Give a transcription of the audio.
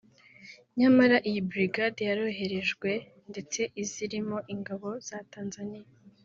Nyamara iyi brigade yaroherejwe ndetse iza irimo ingabo za Tanzaniya